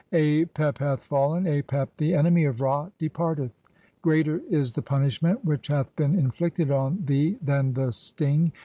Apep "hath fallen, Apep, the enemy of Ra, departeth. Greater is the "punishment [which hath been inflicted on] thee than the sting